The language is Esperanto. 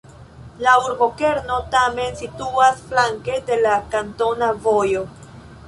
La urbokerno tamen situas flanke de la kantona vojo.